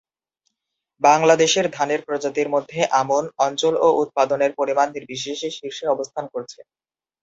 বাংলাদেশের ধানের প্রজাতির মধ্যে আমন, অঞ্চল ও উৎপাদনের পরিমাণ নির্বিশেষে শীর্ষে অবস্থান করছে।